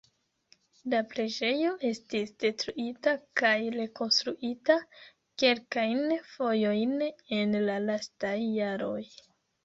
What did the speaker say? La preĝejo estis detruita kaj rekonstruita kelkajn fojojn en la lastaj jaroj.